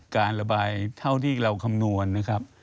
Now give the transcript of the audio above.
การระบายเท่าที่เราคำนวณนะครับ